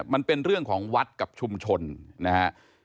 มันเป็นเรื่องของวัดกับชุมชนนะครับ